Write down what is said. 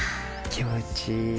気持ちいい。